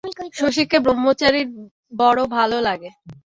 শশীকে ব্রহ্মচারীর বড় ভালো লাগে।